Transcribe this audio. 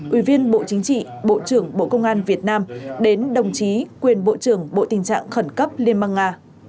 ủy viên bộ chính trị bộ trưởng bộ công an việt nam đến đồng chí quyền bộ trưởng bộ tình trạng khẩn cấp liên bang nga